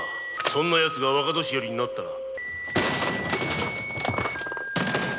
そんなヤツが若年寄になったら。